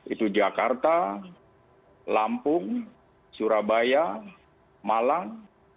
itu jakarta lampung surabaya malang